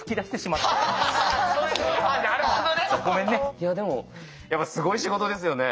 いやでもやっぱすごい仕事ですよね。